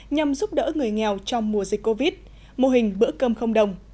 nhằm giúp đỡ người nghèo trong mùa dịch covid mô hình bữa cơm không đồng